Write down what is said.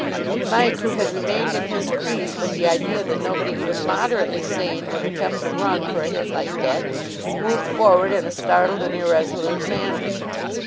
Mike, who had remained in his crease with the idea that nobody even moderately sane would attempt a run for a hit like that, moved forward in a startled and irresolute manner.